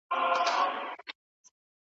کشپ وژړل چي زه هم دلته مرمه ,